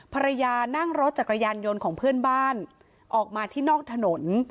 ภรรยานั่งรถจักรยานยนต์ของเพื่อนบ้านออกมาที่นอกถนน